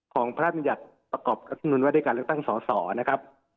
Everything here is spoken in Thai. ของพระราชนิยัตริย์ประกอบรักษณุนวัฒนิการและตั้งส่อนะครับ